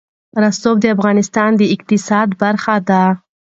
رسوب د افغانستان د اقتصاد برخه ده.